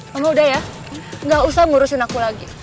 mama udah ya gak usah ngurusin aku lagi